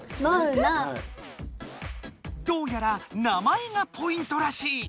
どうやら名前がポイントらしい。